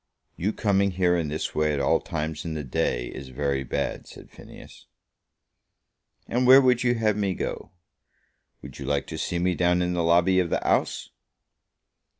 "You coming here in this way at all times in the day is very bad," said Phineas. "And where would you have me go? Would you like to see me down in the lobby of the House?"